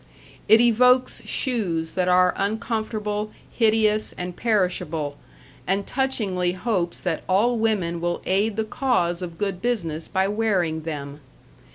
It evokes shoes that are uncomfortable, hideous, and perishable, and touchingly hopes that all women will aid the cause of good business by wearing them.